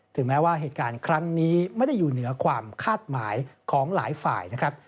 แม้ว่าเหตุการณ์ครั้งนี้ไม่ได้อยู่เหนือความคาดหมายของหลายฝ่ายนะครับ